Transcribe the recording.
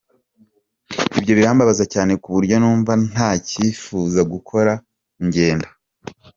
Ibyo birambabaza cyane ku buryo numva ntacyifuza gukora ingendo.